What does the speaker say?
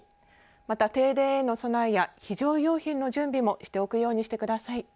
また停電への備えや非常用品の準備もしておくようにしてください。